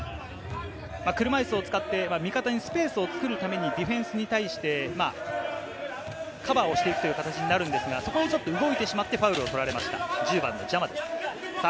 車いすを使って味方にスペースを作るためにディフェンスに対して、カバーをしていくという形になりますが、そこで動いてしまってファウルを取られました、ジャマです。